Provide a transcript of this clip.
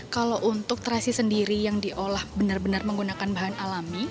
kalau untuk terasi sendiri yang diolah benar benar menggunakan bahan alami